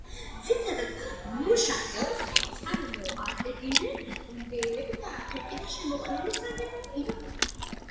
ძირითად მუშახელს წარმოადგენდნენ ინდიელები და აფრიკიდან შემოყვანილი ზანგი მონები.